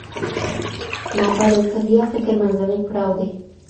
مابعدالطبيعه فکر منځنی پړاو دی.